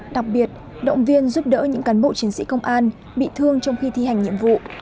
đặc biệt động viên giúp đỡ những cán bộ chiến sĩ công an bị thương trong khi thi hành nhiệm vụ